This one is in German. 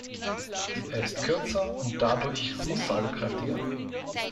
Er ist kürzer und dadurch aussagekräftiger.